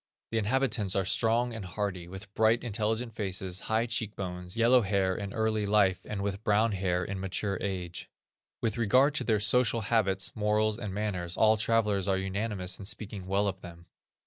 The inhabitants are strong and hardy, with bright, intelligent faces, high cheek bones, yellow hair in early life, and with brown hair in mature age. With regard to their social habits, morals, and manners, all travellers are unanimous in speaking well of them.